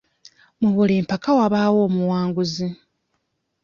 Mu buli mpaka wabaawo omuwanguzi.